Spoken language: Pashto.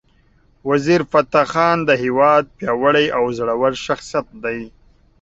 وزیرفتح خان د هیواد پیاوړی او زړور شخصیت دی.